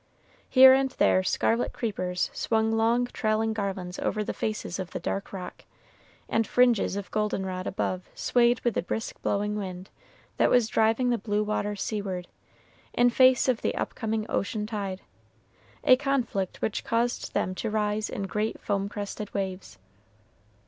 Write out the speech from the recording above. Here and there scarlet creepers swung long trailing garlands over the faces of the dark rock, and fringes of goldenrod above swayed with the brisk blowing wind that was driving the blue waters seaward, in face of the up coming ocean tide, a conflict which caused them to rise in great foam crested waves.